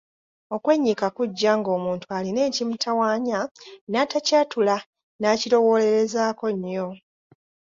Okwennyika kujja ng’omuntu alina ekimutawaanya n’atakyatula n’akirowoolerezaako nnyo.